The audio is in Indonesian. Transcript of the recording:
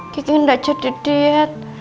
gigi gak jadi diet